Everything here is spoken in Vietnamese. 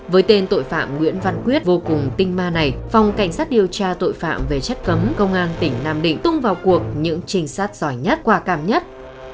với tên tội phạm nguyễn văn quyết vô cùng tinh ma này phòng cảnh sát điều tra tội phạm về chất cấm công an tỉnh nam định tung vào cuộc những trình sát giỏi nhất qua cảm nhất